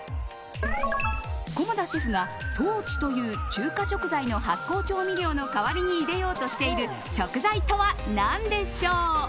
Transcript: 菰田シェフが、豆鼓という中華食材の発酵調味料の代わりに入れようとしている食材とは何でしょう？